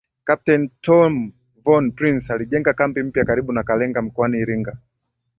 Kapteni Tom von Prince alijenga kambi mpya karibu na Kalenga mkoani Iringa